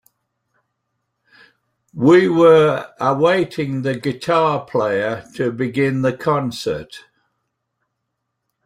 We were awaiting the guitar player to begin the concert.